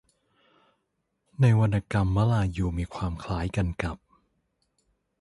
ในวรรณกรรมมลายูมีความคล้ายกันกับ